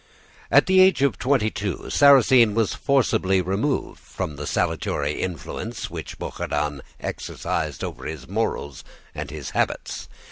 "At the age of twenty two Sarrasine was forcibly removed from the salutary influence which Bouchardon exercised over his morals and his habits.